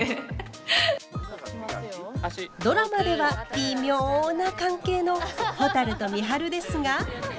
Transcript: ドラマではビミョな関係のほたると美晴ですが。